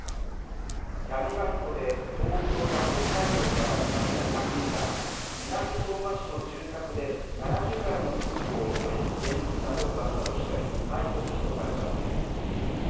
闇バイトで東京や北海道から集まった３人が、南相馬市の住宅で、７０代の夫婦を襲い、現金などを奪ったとして逮捕・起訴された事件。